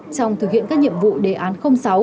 trong thực hiện các nhiệm vụ đề án sáu